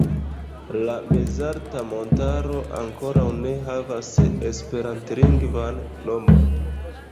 La mezalta montaro ankoraŭ ne havas esperantlingvan nomon.